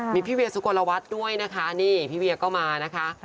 มีพี่เวียสุโกลวัฒน์ด้วยนะคะนี่พี่เวียก็มานะคะ